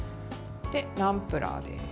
ナムプラーです。